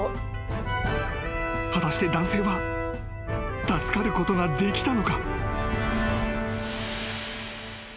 ［果たして男性は助かることができたのか？］